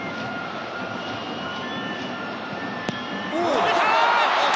止めた！